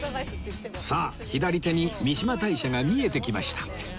さあ左手に三嶋大社が見えてきました